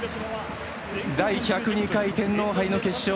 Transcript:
第１０２回天皇杯の決勝。